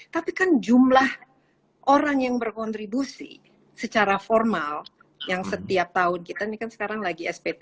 tapi kan jumlah orang yang berkontribusi secara formal yang setiap tahun kita ini kan sekarang lagi spt